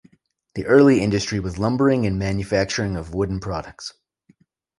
The early industry was lumbering and manufacturing of wooden products.